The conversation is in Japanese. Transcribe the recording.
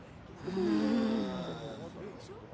うん。